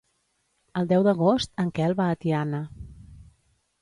El deu d'agost en Quel va a Tiana.